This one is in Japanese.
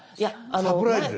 サプライズです。